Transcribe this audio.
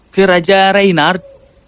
ke raja reynard